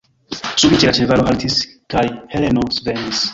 Subite la ĉevalo haltis, kaj Heleno svenis.